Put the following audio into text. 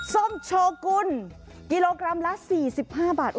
ส้มโชกุลกิโลกรัมละ๔๕บาท